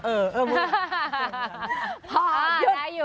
เออเออ